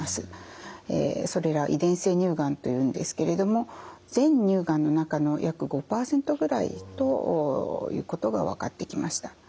それら遺伝性乳がんというんですけれども全乳がんの中の約５％ぐらいということが分かってきました。